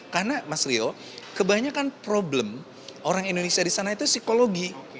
karena mas rio kebanyakan problem orang indonesia di sana itu psikologi